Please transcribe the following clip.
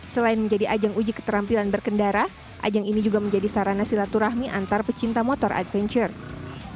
selain menjadi ajang uji keterampilan berkendara ajang ini juga menjadi sarana silaturahmi antar pecinta motor adventure